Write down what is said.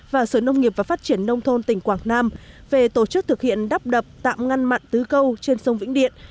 và sở nông nghiệp và phát triển nông thôn tỉnh quảng nam về tổ chức thực hiện đắp đập tạm ngăn mặn tứ câu trên sông vĩnh điện